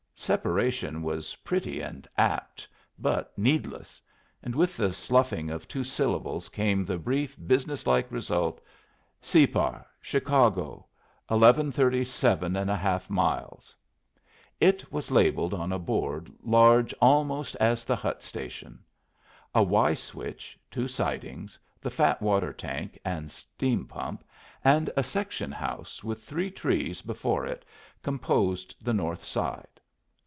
Separation was pretty and apt, but needless; and with the sloughing of two syllables came the brief, businesslike result Separ. Chicago, 1137 1/2 miles. It was labelled on a board large almost as the hut station. A Y switch, two sidings, the fat water tank and steam pump, and a section house with three trees before it composed the north side.